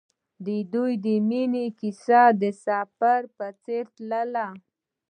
د دوی د مینې کیسه د سفر په څېر تلله.